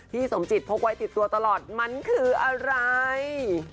สมจิตพกไว้ติดตัวตลอดมันคืออะไร